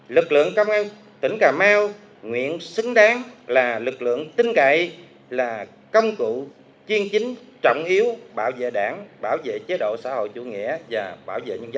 lực lượng cảm an tỉnh cảm mau nguyện xứng đáng là lực lượng tinh cậy là công cụ chiên chính trọng yếu bảo vệ đảng